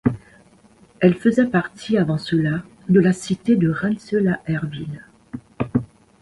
Elle faisait partie avant cela de la cité de Rensselaerville.